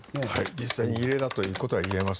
実際に異例だということはいえます。